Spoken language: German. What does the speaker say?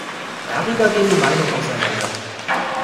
Darüber gehen die Meinungen auseinander.